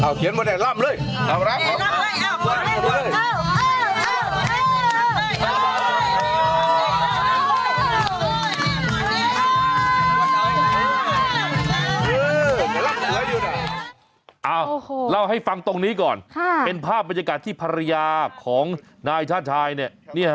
เอาเล่าให้ฟังตรงนี้ก่อนเป็นภาพบรรยากาศที่ภรรยาของนายชาติชายเนี่ย